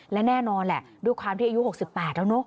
และแน่นอนแหละด้วยความที่อายุ๖๘แล้วเนอะ